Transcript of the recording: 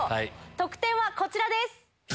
得点はこちらです。